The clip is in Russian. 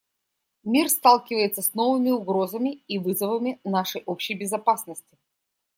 Мир сталкивается с новыми угрозами и вызовами нашей общей безопасности.